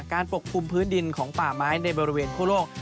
ปกคลุมพื้นดินของป่าไม้ในบริเวณคั่วโลก